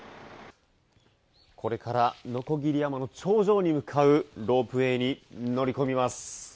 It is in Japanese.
これから鋸山の頂上に向かうロープウェーに乗り込みます！